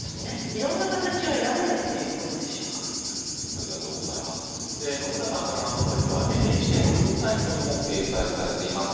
いろんな形を選べる信田さんからのアドバイスはＮＨＫのウェブサイトにも掲載しています。